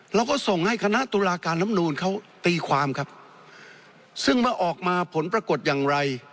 เราก็ส่งให้คณะตุลาการลำนูนเขาตีความครับซึ่งเมื่อออกมาผลปรากฏอย่างไร